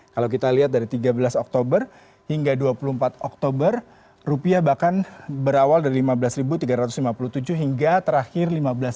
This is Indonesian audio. kalau kita lihat dari tiga belas oktober hingga dua puluh empat oktober rupiah bahkan berawal dari lima belas tiga ratus lima puluh tujuh hingga terakhir lima belas